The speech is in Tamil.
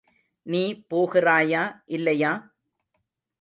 நீ போகிறாயா, இல்லையா?